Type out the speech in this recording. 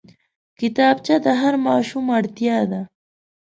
کتابچه د هر ماشوم اړتيا ده